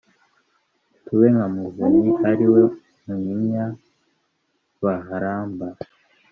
Tube nka Muvunyi ari we Munyinya baharamba